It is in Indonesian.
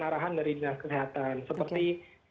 arahan dari dinas kesehatan seperti